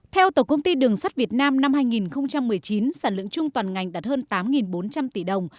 theo tổng công ty đường sắt việt nam năm hai nghìn một mươi chín sản lượng chung toàn ngành đạt hơn tám bốn trăm linh tỷ đồng